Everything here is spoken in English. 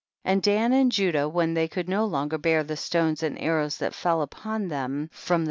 And Dan and Judah when they could no longer bear the stones and arrows that fell upon them from the 120 THE BOOK OF JASHER.